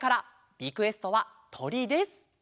リクエストは「とり」です。